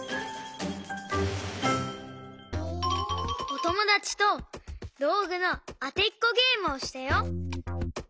おともだちとどうぐのあてっこゲームをしたよ。